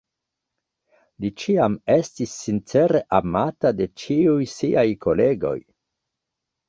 Li ĉiam estis sincere amata de ĉiuj siaj kolegoj.